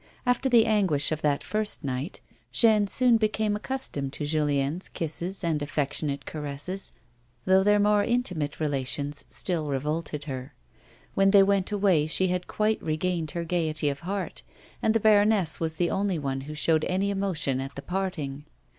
After the anguish of that first night, Jeanne soon became accustomed to Julien's kisses and affectionate caresses, though their more intimate relations still revolted her. AYhen they went away she had quite regained her gaiety of heart, and the baroness was the only one who showed any emotion at the parting.